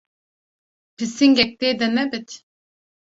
-- Pisingek tê de nebit?